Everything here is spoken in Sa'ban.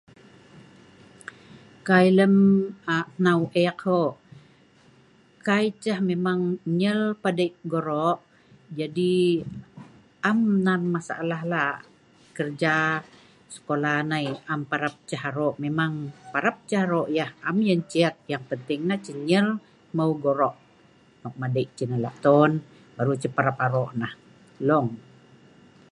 Kai lem aa hnau ek hoo, kai ceh memang nyel padei' goro' jadi am nan masalah lah keja sekola nai am parap ceh aro'. Memang parap ceh aro' yah am yah encet yang penting nah ceh nyel hmeu goro' nok madei' ceh nah laton baru Ceh parap aro' nah hlong.